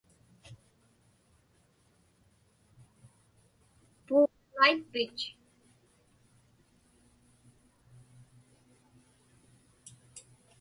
Puuvralaitpich?